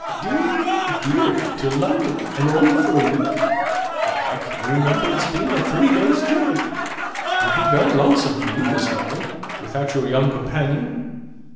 "Deary, deary, to London, and only for a week! Why, I can remember its being a three days' journey! It'll be very lonesome for you, Miss Molly, without your young companion!"